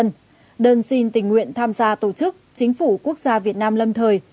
ban truyền án đã thực hiện tình nguyện tham gia tổ chức chính phủ quốc gia việt nam lâm thời